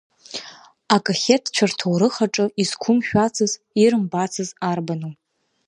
Акахеҭцәа рҭоурых аҿы изқәымшәацыз, ирымбацыз арбану…